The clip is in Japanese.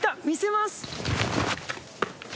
見せます。